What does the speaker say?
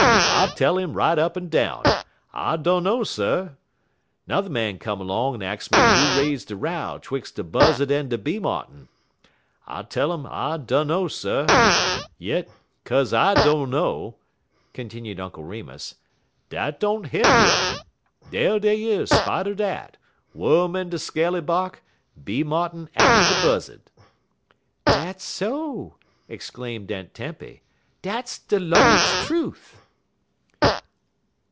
I tell 'im right up en down, I dunno, sir. N'er man come 'long en ax me who raise de row 'twix' de buzzud en de bee martin. I tell 'im I dunno, sir. Yit, 'kaze I dunno," continued Uncle Remus, "dat don't hender um. Dar dey is, spite er dat, wum in de scaly bark, bee martin atter de buzzud." "Dat's so," exclaimed Aunt Tempy, "dat's de Lord's trufe!"